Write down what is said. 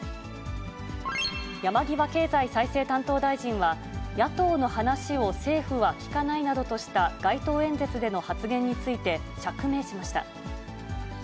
山際経済再生担当大臣は、野党の話を政府は聞かないなどとした街頭演説での発言について、釈明しました。